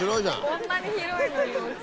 こんなに広いのにおうち。